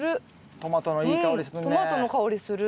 トマトの香りする。